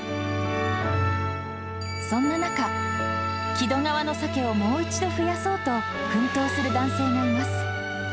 そんな中、木戸川のサケをもう一度増やそうと奮闘する男性がいます。